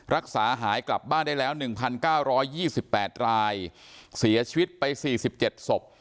รักษาหายกลับบ้านได้แล้ว๑๙๒๘รายเสียชีวิตไป๔๗ศพ